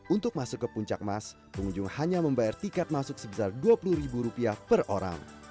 untuk masuk ke puncak mas pengunjung hanya membayar tiket masuk sebesar dua puluh ribu rupiah per orang